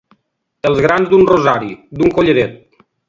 Els grans d'un rosari, d'un collaret.